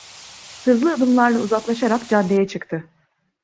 Hızlı adımlarla uzaklaşarak caddeye çıktı.